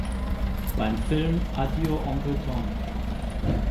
Beim Film "Addio, Onkel Tom!